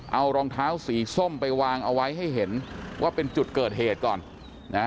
เอารองเท้าสีส้มไปวางเอาไว้ให้เห็นว่าเป็นจุดเกิดเหตุก่อนนะฮะ